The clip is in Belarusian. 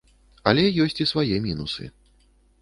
Але ёсць і свае мінусы.